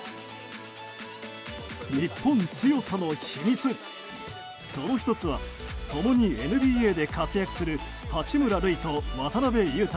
日本強さの秘密、その１つは共にＮＢＡで活躍する八村塁と渡邊雄太。